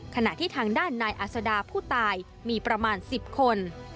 ขณะที่ทางด้านนายอัศดาผู้ตายมีประมาณ๑๐คน